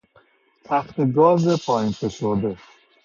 تختهگاز پایین فشرده